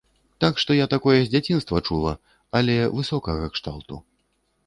Так што я такое з дзяцінства чула, але высокага кшталту.